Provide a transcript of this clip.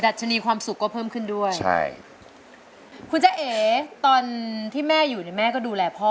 ชนีความสุขก็เพิ่มขึ้นด้วยใช่คุณจ้าเอ๋ตอนที่แม่อยู่เนี่ยแม่ก็ดูแลพ่อ